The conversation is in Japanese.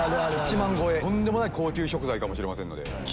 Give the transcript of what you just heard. とんでもない高級食材かもしれませんので。